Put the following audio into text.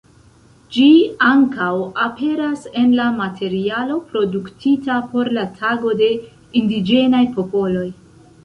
Ĝi ankaŭ aperas en la materialo produktita por la Tago de indiĝenaj popoloj.